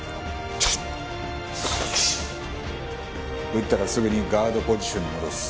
打ったらすぐにガードポジションに戻す。